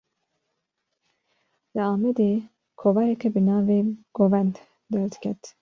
Li Amedê, kovareke bi navê "Govend" derdiket